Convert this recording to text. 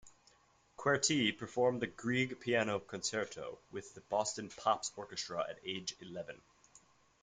Kuerti performed the Grieg Piano Concerto with the Boston Pops Orchestra at age eleven.